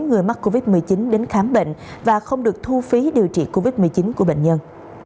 người mắc covid một mươi chín đến khám bệnh và không được thu phí điều trị covid một mươi chín của bệnh nhân